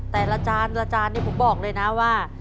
แต่ละจานเนี่ยผมบอกเลยนะว่า